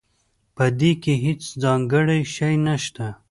پدې کې هیڅ ځانګړی شی نشته